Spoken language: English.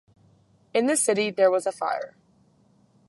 In the city there was a fire.